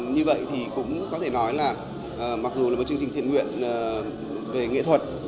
như vậy thì cũng có thể nói là mặc dù là một chương trình thiện nguyện về nghệ thuật